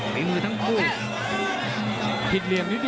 มีมือทั้งคู่